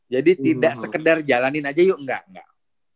jadi tidak sekedar jalanin aja yuk enggak enggak